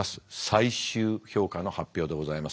最終評価の発表でございます。